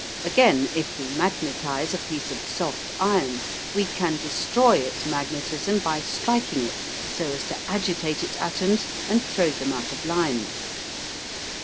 Again, if we magnetise a piece of soft iron we can destroy its magnetism by striking it so as to agitate its atoms and throw them out of line.